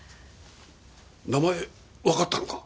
名前わかったのか？